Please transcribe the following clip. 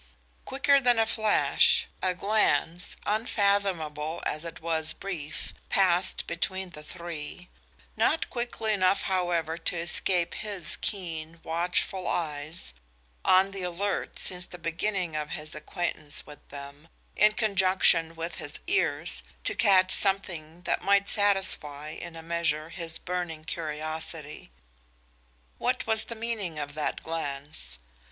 Quicker than a flash a glance, unfathomable as it was brief, passed between the three, not quickly enough, however, to escape his keen, watchful eyes, on the alert since the beginning of his acquaintance with them, in conjunction with his ears, to catch something that might satisfy, in a measure, his burning curiosity. What was the meaning of that glance?